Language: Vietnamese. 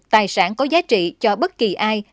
tài sản có giá trị cho bất kỳ ai